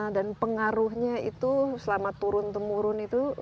dan pengaruhnya itu selama turun temurun itu